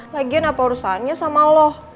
lagian apa urusannya sama loh